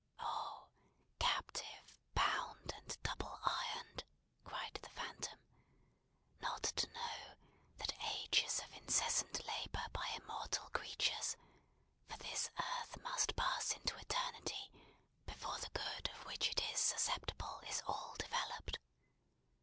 "Oh! captive, bound, and double ironed," cried the phantom, "not to know, that ages of incessant labour by immortal creatures, for this earth must pass into eternity before the good of which it is susceptible is all developed.